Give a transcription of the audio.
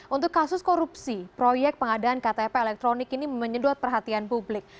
untuk kasus korupsi proyek pengadaan ktp elektronik ini menyedot perhatian publik